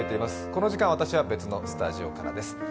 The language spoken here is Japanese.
この時間、私は別のスタジオからです。